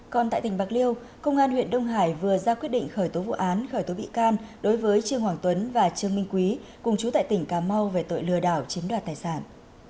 còn tại tỉnh bạc liêu công an huyện đông hải vừa ra quyết định khởi tố vụ án khởi tố bị can đối với trương hoàng tuấn và trương minh quý cùng chú tại tỉnh cà mau về tội lừa đảo chiếm đoạt tài sản